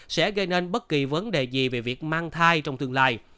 sẽ gây nên bất kỳ vấn đề gì về việc mang thai trong tương lai